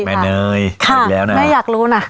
เนยอีกแล้วนะแม่อยากรู้นะ